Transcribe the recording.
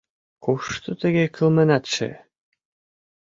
— Кушто тыге кылменатше?